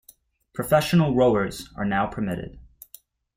Professional rowers are now permitted.